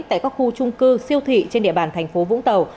tại các khu trung cư siêu thị trên địa bàn thành phố vũng tàu